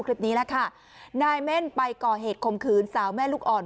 คลิปนี้แหละค่ะนายเม่นไปก่อเหตุคมขืนสาวแม่ลูกอ่อน